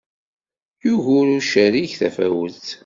Yugar ucerrig tafawet.